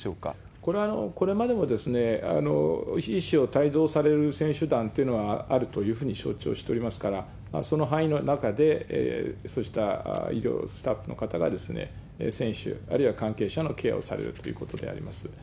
これはこれまでも、医師を帯同される選手団というのはあるというふうに承知をしておりますから、その範囲の中でそうした医療スタッフの方が選手、あるいは関係者のケアをされるということであります。